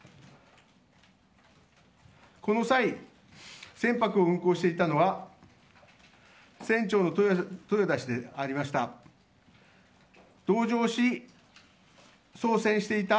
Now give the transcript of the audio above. この際、船舶を運航していたのは船長の豊田氏でありました。